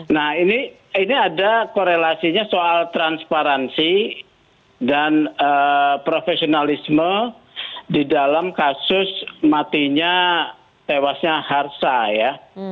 nah ini ada korelasinya soal transparansi dan profesionalisme di dalam kasus matinya tewasnya harsa ya